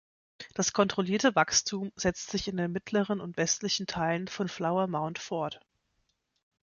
Das kontrollierte Wachstum setzt sich in den mittleren und westlichen Teilen von Flower Mound fort.